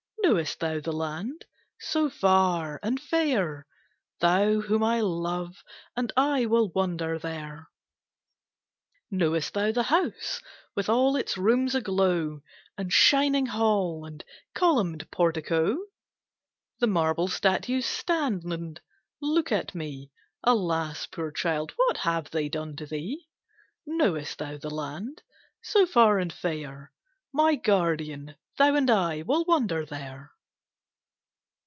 Knowest thou the land? So far and fair! Thou, whom I love, and I will wander there. Knowest thou the house with all its rooms aglow, And shining hall and columned portico? The marble statues stand and look at me. Alas, poor child, what have they done to thee? Knowest thou the land? So far and fair. My Guardian, thou and I will wander there.